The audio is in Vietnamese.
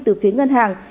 từ phía ngân hàng